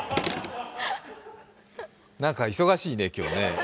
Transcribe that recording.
何か忙しいね、今日ね。